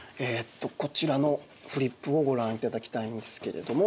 こちらのフリップをご覧いただきたいんですけれども。